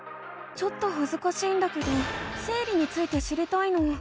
ちょっとはずかしいんだけど生理について知りたいの。